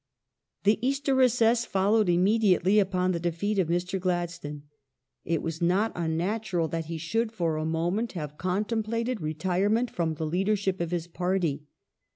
The The Easter recess followed immediately upon the defeat of Mr. Easter Gladstone. It was not unnatural that he should, for a moment, recess .;,' have contemplated retirement from the leadership of his pai ty.